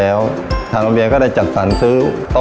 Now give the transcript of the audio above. และวันนี้โรงเรียนไทรรัฐวิทยา๖๐จังหวัดพิจิตรครับ